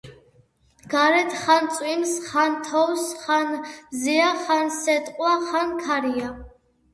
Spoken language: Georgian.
გარეთ ხან წვიმს ხან თოვს ხან მზეა ხან სეტყვა ხან ქარია